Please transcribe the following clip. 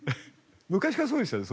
昔からそうでしたね